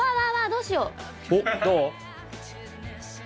どう？